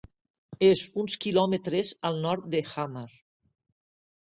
És uns kilòmetres al nord de Hamar.